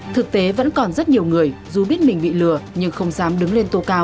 thực tế vẫn còn rất nhiều người dù biết mình bị lừa nhưng không dám đứng lên tố cáo